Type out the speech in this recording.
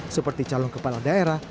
seperti calon kepala daerah